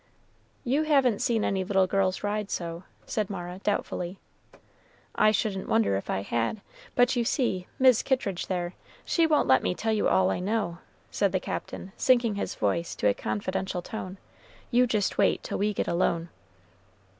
"You haven't seen any little girls ride so," said Mara, doubtfully. "I shouldn't wonder if I had; but you see, Mis' Kittridge there, she won't let me tell all I know," said the Captain, sinking his voice to a confidential tone; "you jist wait till we get alone."